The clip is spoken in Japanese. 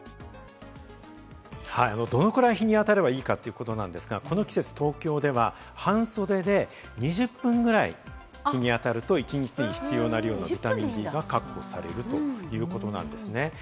どのくらい日にあたればいいかということなんですが、この季節は東京では半袖で２０分ぐらい日に当たると、一日に必要な量のビタミンＤが確保されるということなんですね。